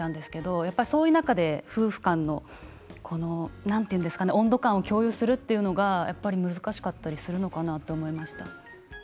やっぱり、そういう中で夫婦間の何て言うんですかね、温度感も共有するというのは難しかったりするのかなと思いました。